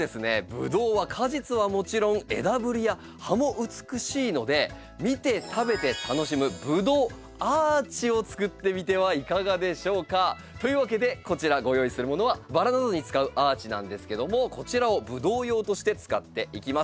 ブドウは果実はもちろん枝ぶりや葉も美しいのでをつくってみてはいかがでしょうか？というわけでこちらご用意するものはバラなどに使うアーチなんですけどもこちらをブドウ用として使っていきます。